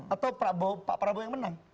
atau pak prabowo yang menang